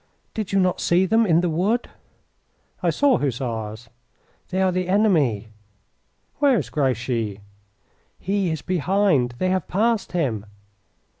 Did you not see them in the wood?" "I saw Hussars." "They are the enemy." "Where is Grouchy?" "He is behind. They have passed him."